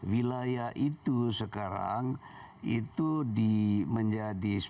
wilayah itu sekarang itu menjadi